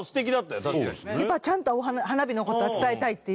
やっぱちゃんと花火の事は伝えたいっていう。